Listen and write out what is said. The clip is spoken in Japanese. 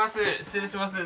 失礼します。